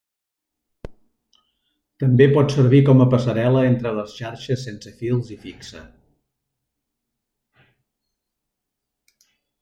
També pot servir com a passarel·la entre les xarxes sense fils i fixa.